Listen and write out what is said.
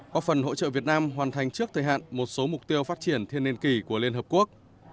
có phần hỗ trợ việt nam hoàn thành trước thời hạn một số mục tiêu phát triển thiên niên kỳ của liên hợp quốc